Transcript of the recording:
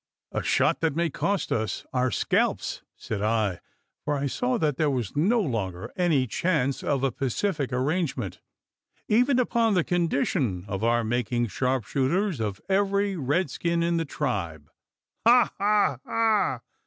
"A shot that may cost us our scalps," said I: for I saw that there was no longer any chance of a pacific arrangement even upon the condition of our making sharpshooters of every redskin in the tribe. "Ha, ha, ha!"